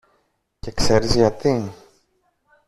Και ξέρεις γιατί